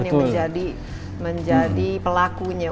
yang menjadi pelakunya